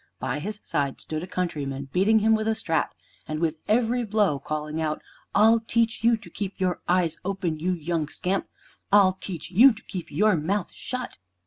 By his side stood a countryman beating him with a strap, and with every blow calling out, "I'll teach you to keep your eyes open, you young scamp. I'll teach you to keep your mouth shut."